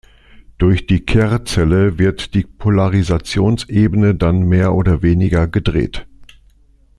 Durch die Kerr-Zelle wird die Polarisationsebene dann mehr oder weniger gedreht.